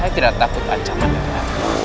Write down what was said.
saya tidak takut ancaman itu